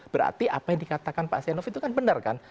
berarti apa yang dikatakan pak senof itu kan benar kan